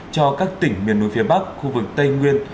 cho các tỉnh miền núi phía bắc khu vực tây nguyên